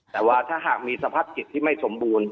แต่ว่าถ้าหากมีสภาพจิตที่ไม่สมบูรณ์